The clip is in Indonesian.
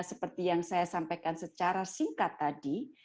seperti yang saya sampaikan secara singkat tadi